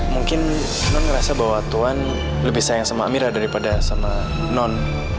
mungkin non ngerasa bahwa tuhan lebih sayang sama amira daripada sama non